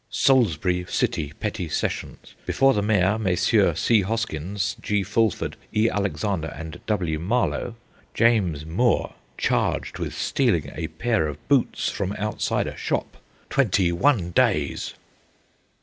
Salisbury City Petty Sessions. Before the Mayor, Messrs. C. Hoskins, G. Fullford, E. Alexander, and W. Marlow. James Moore, charged with stealing a pair of boots from outside a shop. Twenty one days.